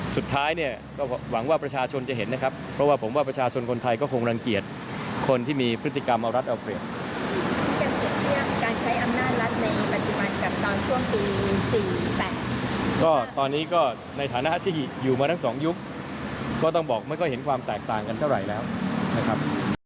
ก็ตอนนี้ก็ในฐานะฮาชิฮิอยู่มาทั้งสองยุคก็ต้องบอกไม่ค่อยเห็นความแตกต่างกันเท่าไหร่แล้วนะครับ